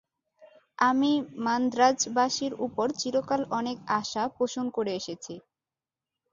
আমি মান্দ্রাজবাসীর উপর চিরকাল অনেক আশা পোষণ করে এসেছি।